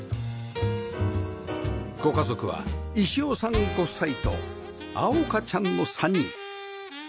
ご家族は石尾さんご夫妻と碧海ちゃんの３人